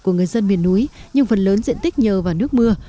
của người dân miền núi nhưng phần lớn diện tích nhờ vào nước mưa